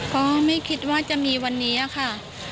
ก็ไม่คิดว่าจะมีวันนี้ค่ะ